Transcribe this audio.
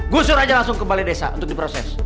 gusur aja langsung ke balai desa untuk diproses